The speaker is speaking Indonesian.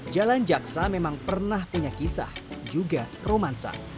jalan jaksa memang pernah punya kisah juga romansa